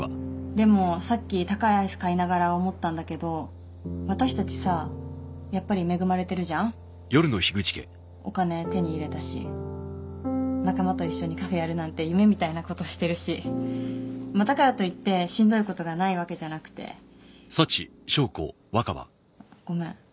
でもさっき高いアイス買いながら思ったんだけど私たちさやっぱり恵まれてるじゃんお金手に入れたし仲間と一緒にカフェやるなんて夢みたいなことしてるしだからといってしんどいことがないわけじゃなくてごめん